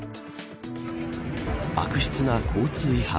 悪質な交通違反。